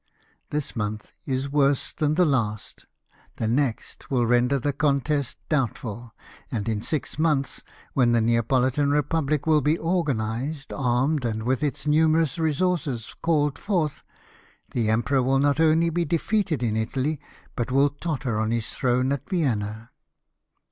This month is worse than the last, the next will render the con test doubtful ; and in six months, when the Nea politan Republic will be organised, armed, and with its nuinerous resources called forth, the emperor will not only be defeated in Italy, but AviU totter on his throne at Vienna.